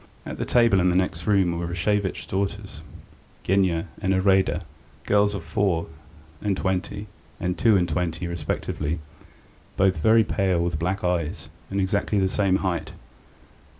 At the table in the next room were Rashevitch's daughters, Genya and Iraida, girls of four and twenty and two and twenty respectively, both very pale, with black eyes, and exactly the same height.